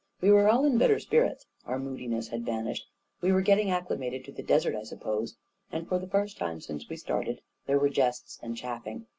We were all in better spirits — our moodiness had vanished — we were getting accli mated to the desert, I suppose ; and for the first time since we started, there were jests and chaffing.